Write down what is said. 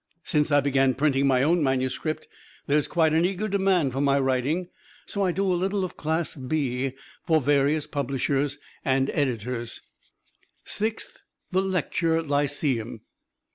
Since I began printing my own manuscript, there is quite an eager demand for my writing, so I do a little of Class B for various publishers and editors. Sixth, the Lecture Lyceum.